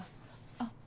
あっ。